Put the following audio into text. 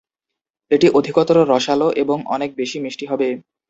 এটি অধিকতর রসালো এবং অনেক বেশি মিষ্টি হবে।